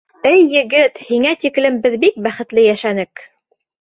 — Эй егет, һиңә тиклем беҙ бик бәхетле йәшәнек.